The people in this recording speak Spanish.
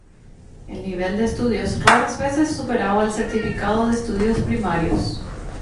El nivel de estudios raras veces superaba el certificado de estudios primarios.